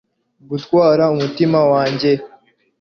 gutwara umutima wanjye